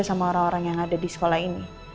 sama orang orang yang ada di sekolah ini